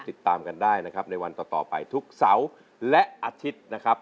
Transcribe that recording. ติดตามกันได้นะครับในวันต่อไปทุกเสาร์และอาทิตย์นะครับ